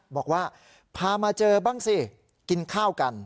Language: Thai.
บอกว่าพามาเจอบ้างสิกินข้าวกัน